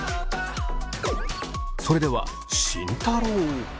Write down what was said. それでは慎太郎。